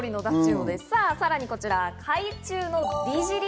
さらにこちら「海中の美尻」。